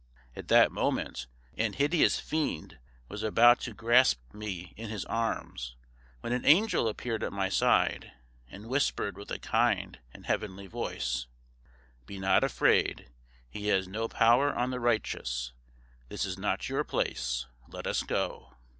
At that moment an hideous fiend was about to grasp me in his arms, when an angel appeared at my side and whispered with a kind and heavenly voice, 'Be not afraid, he has no power on the righteous; this is not your place, let us go!